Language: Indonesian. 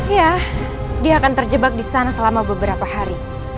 ya dia akan terjebak di sana selama beberapa hari